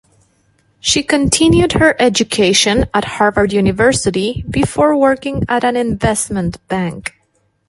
She continued her education at Harvard University, before working at an investment bank.